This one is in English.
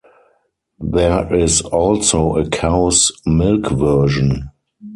There is also a cow's milk version.